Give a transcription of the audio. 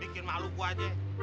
bikin malu gua aja